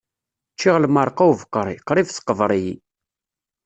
Ččiɣ lmerqa ubeqri, qrib teqber-iyi.